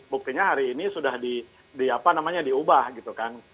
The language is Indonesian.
buktinya hari ini sudah diubah gitu kan